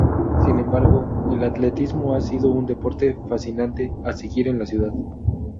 Sin embargo, el atletismo ha sido un deporte fascinante a seguir en la ciudad.